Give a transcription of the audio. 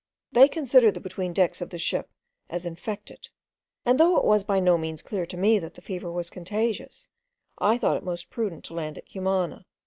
They considered the between decks of the ship as infected; and though it was by no means clear to me that the fever was contagious, I thought it most prudent to land at Cumana.